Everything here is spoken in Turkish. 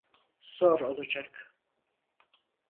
Zor olacak.